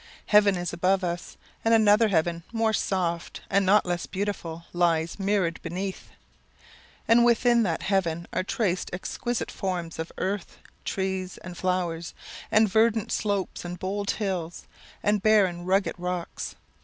Heaven is above us, and another heaven more soft, and not less beautiful lies mirrored beneath; and within that heaven are traced exquisite forms of earth trees, and flowers, and verdant slopes, and bold hills, and barren rugged rocks.